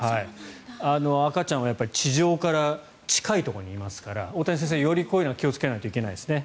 赤ちゃんは地上から近いところにいますから大谷先生、よりこういうのは気をつけないといけないですね。